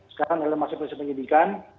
sekarang masih masih penyidikan